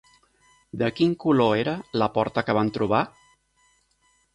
De quin color era la porta que van trobar?